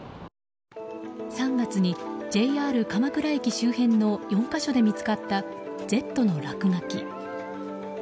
３月にＪＲ鎌倉駅周辺の４か所で見つかった「Ｚ」の落書き。